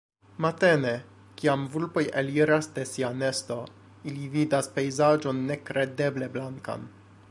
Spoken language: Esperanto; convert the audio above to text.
Matene, kiam vulpoj eliras de sia nesto, ili vidas pejzaĝon nekredeble blankan.